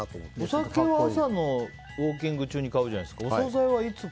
お酒は朝のウォーキング中に買うじゃないですか。